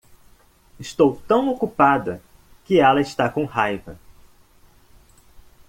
Estou tão ocupada que ela está com raiva.